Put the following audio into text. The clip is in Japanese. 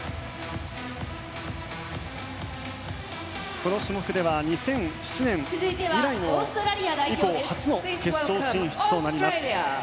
この種目では２００７年以降初の決勝進出となります。